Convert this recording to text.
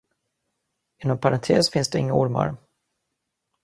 Inom parentes finns där inga ormar.